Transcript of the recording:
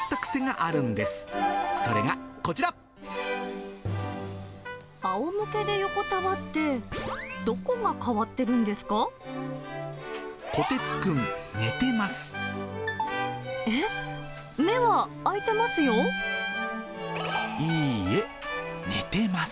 あおむけで横たわって、こてつくん、寝てます。